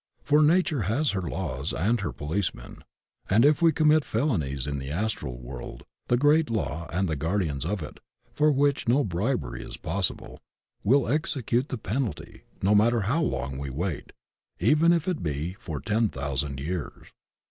For nature has her laws and her policemen, and if we commit felonies in the Astral world the great Law and the guardians of it, for which no bribery is possible, will execute the penalty, no matter how long we wait, even if it be for ten thousand years.